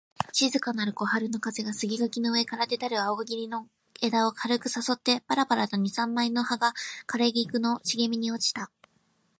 静かなる小春の風が、杉垣の上から出たる梧桐の枝を軽く誘ってばらばらと二三枚の葉が枯菊の茂みに落ちた